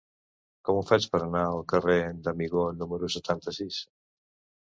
Com ho faig per anar al carrer d'Amigó número setanta-sis?